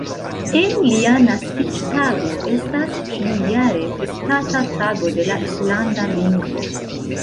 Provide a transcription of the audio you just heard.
En lia naskiĝtago estas ĉiujare festata Tago de la islanda lingvo.